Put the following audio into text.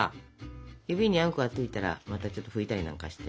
指にあんこがついたらまたちょっと拭いたりなんかして。